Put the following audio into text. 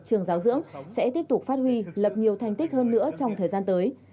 trường giáo dưỡng sẽ tiếp tục phát huy lập nhiều thành tích hơn nữa trong thời gian tới